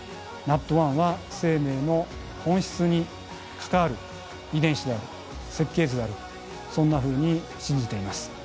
ＮＡＴ１は生命の本質に関わる遺伝子である設計図であるとそんなふうに信じています。